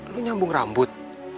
lo nyambung rambut